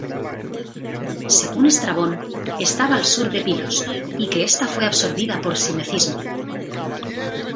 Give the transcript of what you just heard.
Según Estrabón, estaba al sur de Pilos, y que esta fue absorbida por sinecismo.